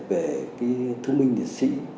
về cái thương binh liệt sĩ